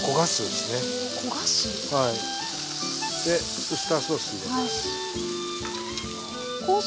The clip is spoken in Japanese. でウスターソース入れます。